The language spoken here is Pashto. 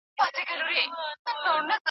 ټولنيز بنسټونه سياسي آندونه خپروي.